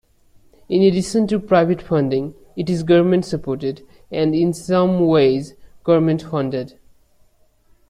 In addition to private funding, it is government-supported and in some ways government-funded.